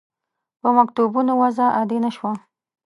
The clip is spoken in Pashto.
په مکتوبونو وضع عادي نه شوه.